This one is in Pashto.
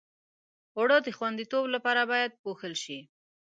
اوړه د خوندیتوب لپاره باید پوښل شي